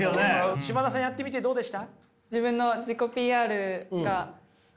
嶋田さんやってみてどうでした？